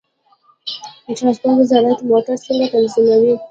د ترانسپورت وزارت موټر څنګه تنظیموي؟